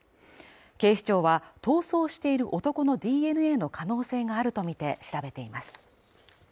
警視庁は逃走している男のＤＮＡの可能性があるとみて調べています